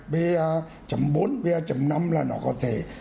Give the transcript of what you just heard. ba bốn ba năm là nó có thể